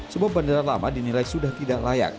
sebab bandara lama dinilai sudah tidak layak